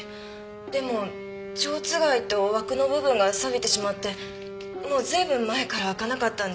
でもちょうつがいと枠の部分がさびてしまってもうずいぶん前から開かなかったんです。